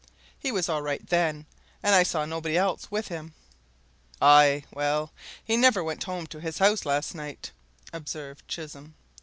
He was all right then and I saw nobody else with him." "Aye, well, he never went home to his house last night," observed Chisholm.